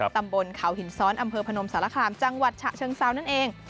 ตำบลเขาหินซ้อนอำเภอพศจังหวัดฉะเชิงซาวนั่นเอง